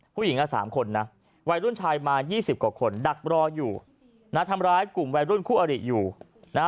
ผู้หญิงอ่ะสามคนนะวัยรุ่นชายมายี่สิบกว่าคนดักรออยู่นะทำร้ายกลุ่มวัยรุ่นคู่อริอยู่นะฮะ